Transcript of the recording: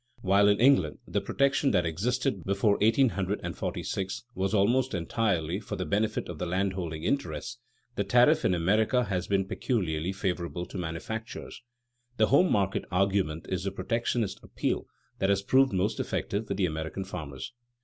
While in England the protection that existed before 1846 was almost entirely for the benefit of the landholding interests, the tariff in America has been peculiarly favorable to manufactures. The "home market" argument is the protectionist appeal that has proved most effective with the American farmers.